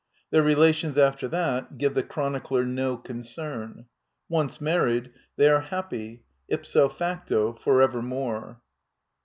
Their relations after that give the chronicler no concern. Once mar ried, they are happy, ipso facto, forevermore.